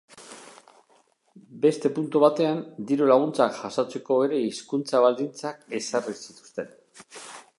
Beste puntu batean, diru-laguntzak jasotzeko ere hizkuntza baldintzak ezarri zituzten.